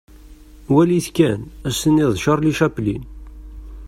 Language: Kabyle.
Wali-t kan, ad as-tiniḍ d Charlie Chaplin.